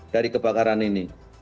dari kebakaran ini